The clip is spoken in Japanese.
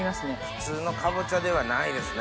普通のかぼちゃではないですね